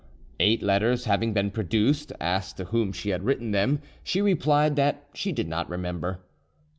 Eight letters having been produced, asked to whom she had written them, she replied that she did not remember.